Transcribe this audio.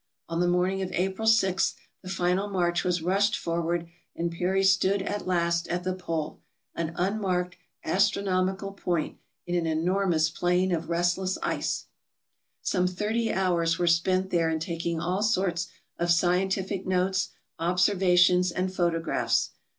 On the morning of April 6 the final march was rushed forward, and Peary stood at last at the pole — an un marked, astronomical point in an enormous plain of restless ice Some thirty hours were spent there in taking all sorts of scientific notes, observations, and photographs.